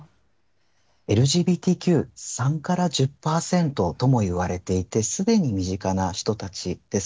ＬＧＢＴＱ、３から１０％ともいわれていて、すでに身近な人たちです。